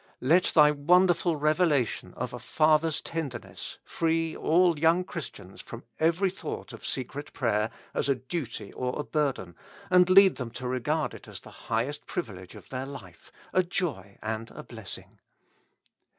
Let Thy wonderful revelation of a Father's tenderness free all young Christians from every thought of secret prayer as a duty or a burden, and lead them to regard it as the highest privilege of their life, a joy and a blessing.